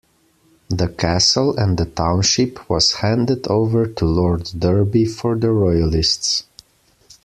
The Castle and the township was handed over to Lord Derby for the Royalists.